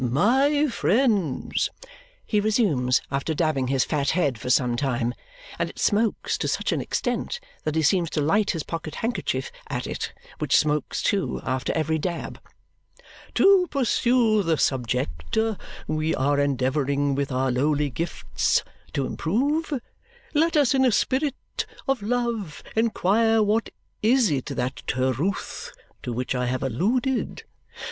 "My friends," he resumes after dabbing his fat head for some time and it smokes to such an extent that he seems to light his pocket handkerchief at it, which smokes, too, after every dab "to pursue the subject we are endeavouring with our lowly gifts to improve, let us in a spirit of love inquire what is that Terewth to which I have alluded.